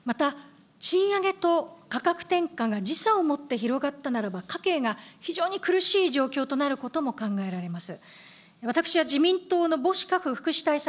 また、賃上げと価格転嫁が時差を持って広がったならば、家計が非常に苦しい状況となることも考えられます。